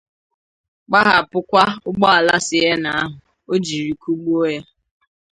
gbahapụkwa ụgbọala Sienna ahụ o jiri kụgbu ya